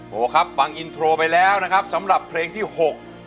โหครับฟังอินโทรไปแล้วนะครับสำหรับเพลงที่หก